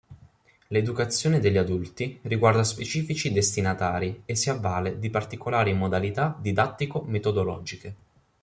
L'educazione degli adulti, riguarda specifici destinatari e si avvale di particolari modalità didattico-metodologiche.